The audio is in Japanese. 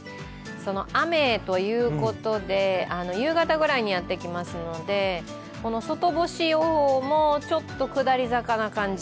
雨ということで、夕方ぐらいにやってきますので、外干しもちょっと下り坂な感じ。